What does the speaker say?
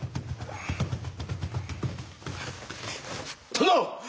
殿！